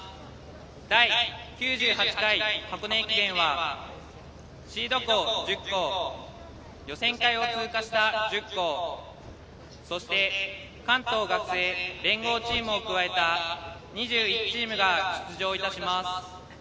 第９８回箱根駅伝はシード校１０校、予選会を通過した１０校、そして関東学生連合チームを加えた２１チームが出場いたします。